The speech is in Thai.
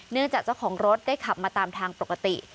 จากเจ้าของรถได้ขับมาตามทางปกติ